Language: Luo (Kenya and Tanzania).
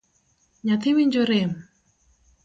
Nyathi winjo rem?